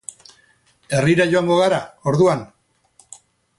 Herrira joango gara, orduan.